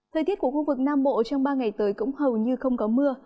thời tiết của khu vực nam bộ trong ba ngày tới cũng hầu như không có mưa